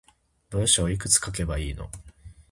文章いくつ書けばいいの